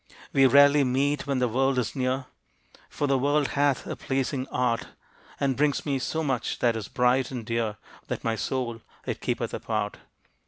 We rarely meet when the World is near, For the World hath a pleasing art And brings me so much that is bright and dear That my Soul it keepeth apart.